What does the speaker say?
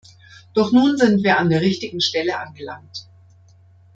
Doch nun sind wir an der richtigen Stelle angelangt.